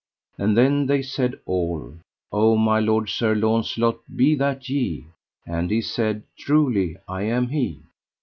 And then they said all: O my lord Sir Launcelot, be that ye? And he said: Truly I am he.